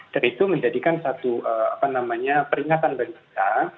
dan itu menjadikan satu apa namanya peringatan bagi kita